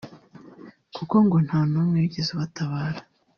kuko ngo nta n’umwe wigeze abatabara